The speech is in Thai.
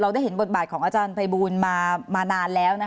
ได้เห็นบทบาทของอาจารย์ภัยบูลมานานแล้ว